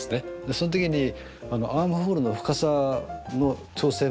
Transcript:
その時にアームホールの深さの調整もしながら。